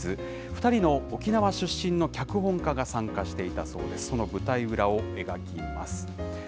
二人の沖縄出身の脚本家が参加していたそうで、その舞台裏を描きます。